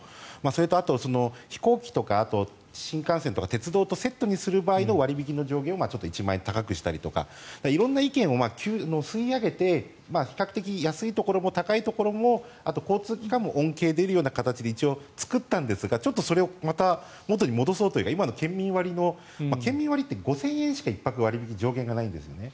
それと、飛行機とか新幹線とか鉄道とセットにする場合の割引の上限を１万円高くしたり色んな意見を吸い上げて比較的安いところも高いところもあと、交通機関も恩恵が出るような形で一応作ったんですがそれをまた元に戻そうというか今の県民割の県民割って上限５０００円しか１泊、割引きないんですね。